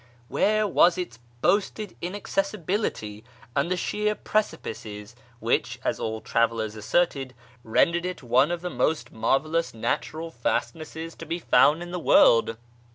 Where was its boasted inaccessi bility, and the sheer precipices which, as all travellers asserted, rendered it one of the most marvellous natural fastnesses to be found in the world